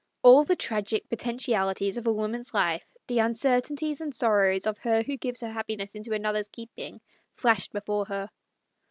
All the tragic potentiali ties of a woman's life, the uncertainties and sorrows of her who gives her happiness into another's keeping, flashed before her.